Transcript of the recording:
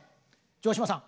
城島さん